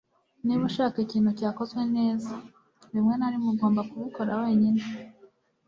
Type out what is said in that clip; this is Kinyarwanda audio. Niba ushaka ikintu cyakozwe neza, rimwe na rimwe ugomba kubikora wenyine.